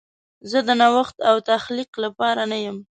زه د نوښت او تخلیق لپاره نه یم.